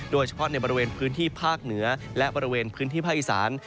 โดยเฉพาะในบริเวณพื้นที่ภาคเหนือและบริเวณพื้นที่ภาคอีสาน